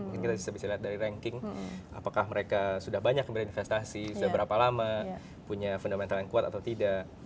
mungkin kita bisa lihat dari ranking apakah mereka sudah banyak berinvestasi sudah berapa lama punya fundamental yang kuat atau tidak